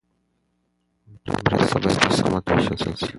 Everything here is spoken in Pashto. مرستې باید په سمه توګه وویشل سي.